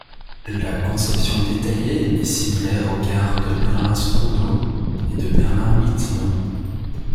La conception détaillée est similaire aux gares de Berlin-Spandau et de Berlin-Wittenau.